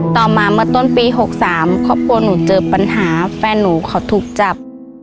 ต่อมาเมื่อต้นปี๖๓ครอบครัวหนูเจอปัญหาแฟนหนูเขาถูกจับ